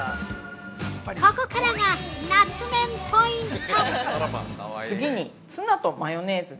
ここからが夏麺ポイント！